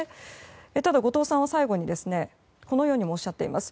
ただ、後藤さんは最後にこのようにおっしゃっています。